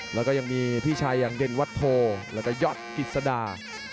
แล้วก็ยังมีพี่ชายางเดนวัตโทและย๊อตกิศดา